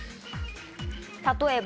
例えば。